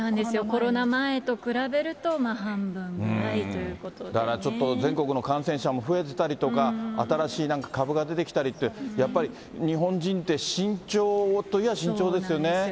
コロナ前と比べると、だからちょっと、全国の感染者も増えてたりとか、新しい株が出てきたりとか、やっぱり日本人って慎重といや、そうなんですよね。